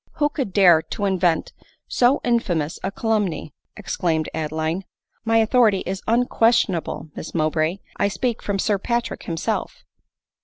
" Who could dare to invent so infamous a calumny ?" exclaimed Adeline. "My authority is unquestionable, Miss Mowbray; I speak from Sir Patrick himself."